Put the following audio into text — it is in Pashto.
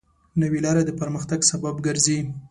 نوې لارې د پرمختګ سبب ګرځي.